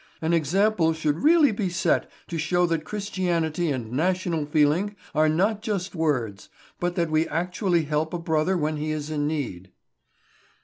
An example should really be set to show that Christianity and national feeling are not mere words, but that we actually help a brother when he is in need."